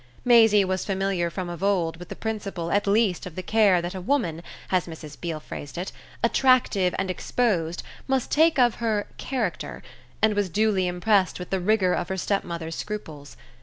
Maisie was familiar from of old with the principle at least of the care that a woman, as Mrs. Beale phrased it, attractive and exposed must take of her "character," and was duly impressed with the rigour of her stepmother's scruples.